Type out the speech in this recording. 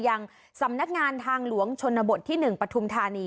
ยังสำนักงานทางหลวงชนบทที่๑ปฐุมธานี